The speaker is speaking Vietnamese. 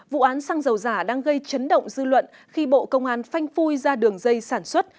vụ án xăng dầu giả đang gây chấn động dư luận khi bộ công an phanh phui ra đường dây sản xuất